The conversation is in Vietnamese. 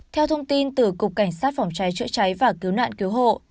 theo thông tin từ cục cảnh sát phòng cháy chữa cháy và cứu nạn cứu hộ